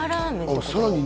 さらに